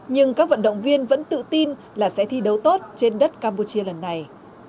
nhưng các vận động viên vẫn tự tin là sẽ thi đấu tốt trên đất campuchia lần này